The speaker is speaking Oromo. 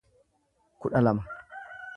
kudha lama